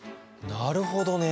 なるほどね。